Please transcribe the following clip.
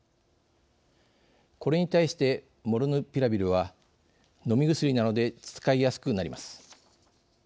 これに対してモルヌピラビルは飲み薬なので使いやすくなります。